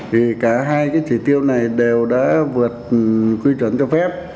thì cả hai chỉ tiêu này đều đã vượt quy chuẩn cho phép